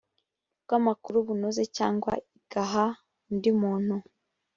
bw amakuru bunoze cyangwa igaha undi muntu